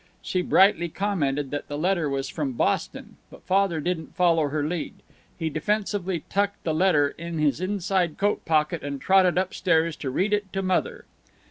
She brightly commented that the letter was from Boston. But Father didn't follow her lead. He defensively tucked the letter in his inside coat pocket and trotted up stairs to read it to Mother.